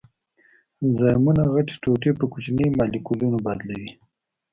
انزایمونه غټې ټوټې په کوچنیو مالیکولونو بدلوي.